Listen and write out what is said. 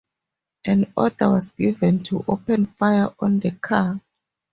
An order was given to open fire on the car.